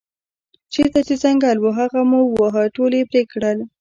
چېرته چې ځنګل و هغه مو وواهه ټول یې پرې کړل.